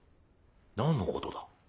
何のことだ？